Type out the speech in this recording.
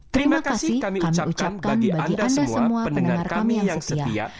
terima kasih kami ucapkan bagi anda semua pendengar kami yang setia